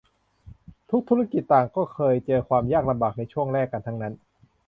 ทุกธุรกิจต่างก็เคยเจอความยากลำบากในช่วงแรกกันทั้งนั้น